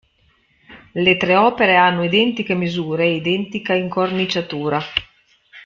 Le tre opere hanno identiche misure e identica incorniciatura.